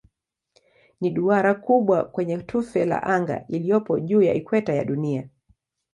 Ni duara kubwa kwenye tufe la anga iliyopo juu ya ikweta ya Dunia.